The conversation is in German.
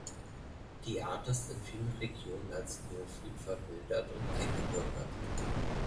Die Art ist in vielen Regionen als Neophyt verwildert und eingebürgert.